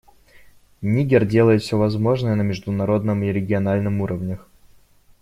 Нигер делает все возможное на международном и региональном уровнях.